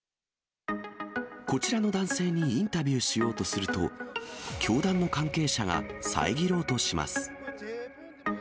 こちらの男性にインタビューしようとすると、教団の関係者が遮ろうとします。